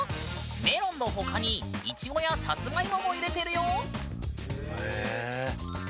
メロンの他にいちごやさつまいもも入れてるよ！